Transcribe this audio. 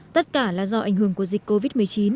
tất cả là do ảnh hưởng của dịch covid một mươi chín